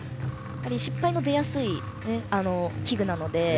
失敗の出やすい器具なので。